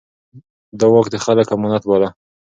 ده واک د خلکو امانت باله.